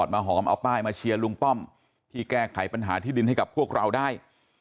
มาหอมเอาป้ายมาเชียร์ลุงป้อมที่แก้ไขปัญหาที่ดินให้กับพวกเราได้